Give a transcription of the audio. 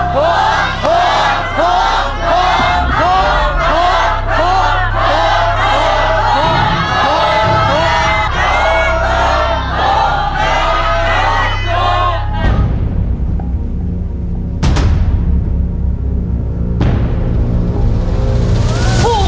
โฆ่งโฆ่งโฆ่งโฆ่ง